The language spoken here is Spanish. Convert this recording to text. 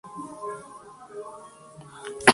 Se puede realizar de forma continua, automática o manual.